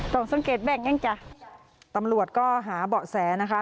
ต้องสังเกตแบ่งยังจ้ะตำรวจก็หาเบาะแสนะคะ